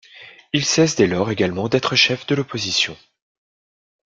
Il cesse dès lors également d'être chef de l'opposition.